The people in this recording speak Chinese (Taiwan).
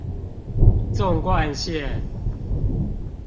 縱貫線